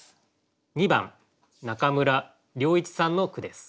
２番中村良一さんの句です。